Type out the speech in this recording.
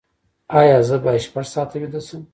ایا زه باید شپږ ساعته ویده شم؟